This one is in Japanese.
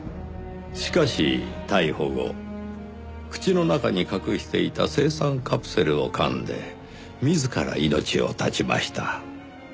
しかし逮捕後口の中に隠していた青酸カプセルを噛んで自ら命を絶ちました。